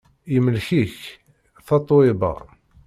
Yemlek-ik Tatoeba.